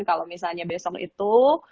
kalau misalnya besok itu